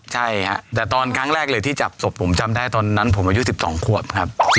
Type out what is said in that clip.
ใช่ค่ะแต่ตอนครั้งแรกที่จับศพผมจำได้คุณพ่อจั่นที่๑๒ครวบครับ